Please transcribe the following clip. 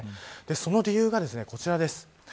その理由がこちらです。